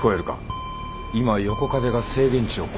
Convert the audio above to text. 今横風が制限値を超えている。